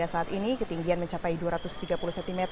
saat ini ketinggian mencapai dua ratus tiga puluh cm